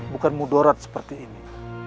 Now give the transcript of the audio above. bukan mudorot seperti ini